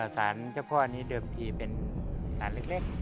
สารเจ้าพ่อนี้เดิมทีเป็นสารเล็ก